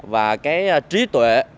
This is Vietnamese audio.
và cái trí tuệ